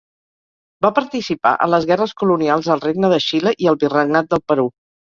Va participar en les guerres colonials al Regne de Xile i al Virregnat del Perú.